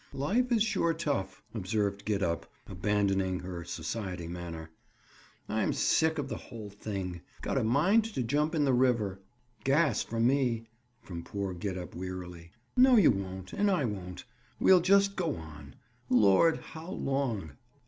"Life is sure tough," observed Gid up, abandoning her society manner. "I'm sick of the whole thing. Got a mind to jump in the river." "Gas for me!" from poor Gid up wearily. "No, you won't. And I won't. We'll just go on. Lord! how long."